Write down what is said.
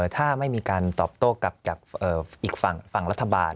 ถ้าไม่มีการตอบโต้กลับจากอีกฝั่งรัฐบาล